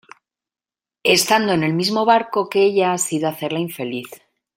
estando en el mismo barco que ella ha sido hacerla infeliz.